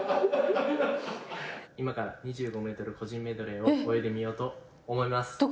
今から２５メートル個人メドレーを泳いでみようと思います。